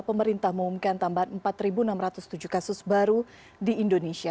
pemerintah mengumumkan tambahan empat enam ratus tujuh kasus baru di indonesia